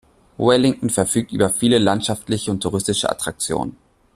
Wellington verfügt über viele landschaftliche und touristische Attraktionen.